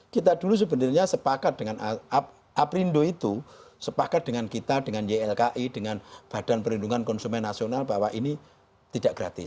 kita dulu sebenarnya sepakat dengan aprindo itu sepakat dengan kita dengan ylki dengan badan perlindungan konsumen nasional bahwa ini tidak gratis